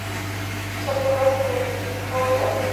Son hierbas perennifolias.